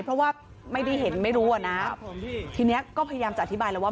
เพราะว่าไม่ได้เห็นไม่รู้อ่ะนะทีนี้ก็พยายามจะอธิบายแล้วว่า